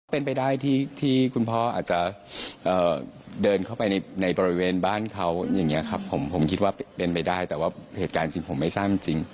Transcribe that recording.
เป็นไปได้ที่คุณพ่ออาจจะเดินเข้าไปในบริเวณบ้านเขาอย่างนี้ครับผมคิดว่าเป็นไปได้แต่ว่าเหตุการณ์จริงผมไม่ทราบจริง